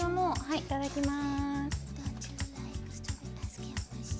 いただきます。